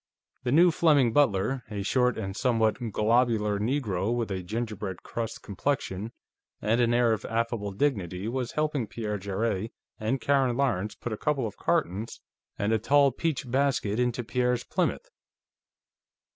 The new Fleming butler, a short and somewhat globular Negro with a gingerbread crust complexion and an air of affable dignity, was helping Pierre Jarrett and Karen Lawrence put a couple of cartons and a tall peach basket into Pierre's Plymouth.